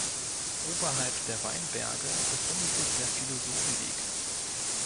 Oberhalb der Weinberge befindet sich der Philosophenweg.